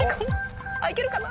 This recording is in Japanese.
いけるかな？